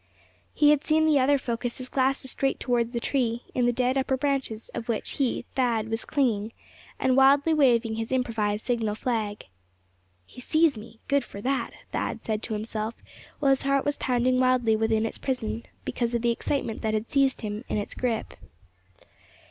He had seen the other focus his glasses straight toward the tree, in the dead upper branches of which, he, Thad, was clinging, and wildly waving his improvised signal flag. "He sees me! Good for that!" Thad said to himself; while his heart was pounding wildly within its prison, because of the excitement that had seized him in its grip.